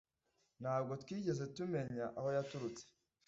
ntabwo twigeze tumenya aho yaturutse